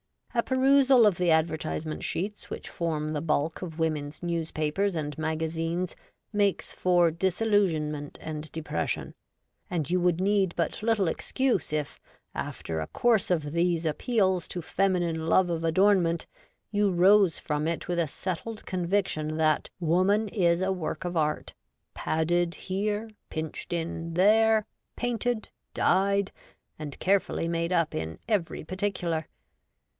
A perusal of the advertisement sheets which form the bulk of women's newspapers and maga zines makes for disillusionment and depression ; and you would need but little excuse if, after a course of these appeals to feminine love of adornment, you rose from it with a settled conviction that X^^oman is a Work of Art, padded here, pinched in there, painted, dyed, and carefully made up in every par ticular.